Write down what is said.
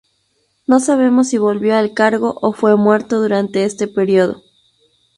No sabemos si volvió al cargo o fue muerto durante este periodo.